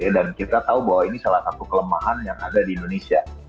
dan kita tahu bahwa ini salah satu kelemahan yang ada di indonesia